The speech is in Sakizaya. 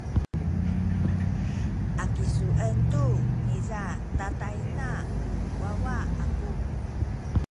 a kisuen tu niza tatayna ku wawa aku.